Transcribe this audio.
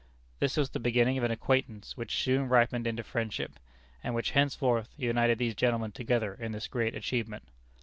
This was the beginning of an acquaintance which soon ripened into friendship, and which henceforth united these gentlemen together in this great achievement.